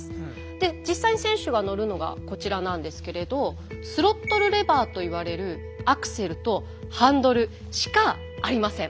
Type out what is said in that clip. で実際に選手が乗るのがこちらなんですけれどスロットルレバーと言われるアクセルとハンドルしかありません。